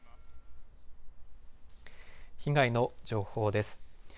被害の情報です。